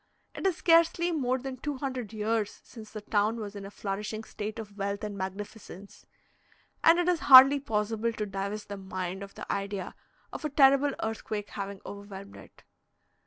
It is scarcely more than two hundred years since the town was in a flourishing state of wealth and magnificence, and it is hardly possible to divest the mind of the idea of a terrible earthquake having overwhelmed it.